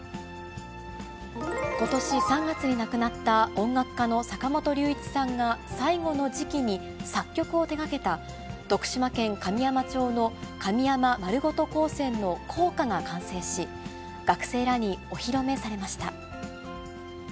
ことし３月に亡くなった音楽家の坂本龍一さんが、最後の時期に作曲を手がけた徳島県神山町の神山まるごと高専の校歌が完成し、学生らにお披露目されました。